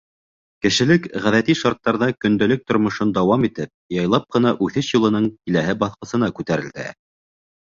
Кешелек, ғәҙәти шарттарҙа көндәлек тормошон дауам итеп, яйлап ҡына үҫеш юлының киләһе басҡысына күтәрелде.